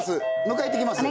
迎えいってきます